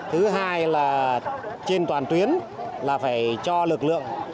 thứ hai là trên toàn tuyến là phải cho lực lượng